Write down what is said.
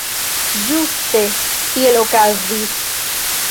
Ĝuste tiel okazis.